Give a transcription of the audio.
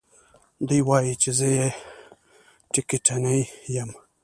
دى وايي چې زه يې ټکټنى يم.